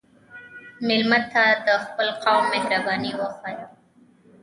مېلمه ته د خپل قوم مهرباني وښیه.